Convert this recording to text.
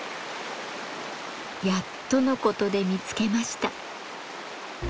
やっとのことで見つけました。